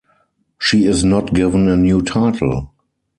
She is not given a new title.